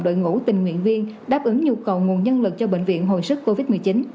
đội ngũ tình nguyện viên đáp ứng nhu cầu nguồn nhân lực cho bệnh viện hồi sức covid một mươi chín